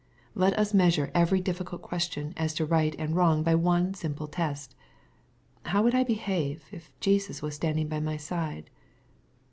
Let us measure every difiScult question as to right and wrong by one simple test, "How would I behave, if Jesus was standing by my side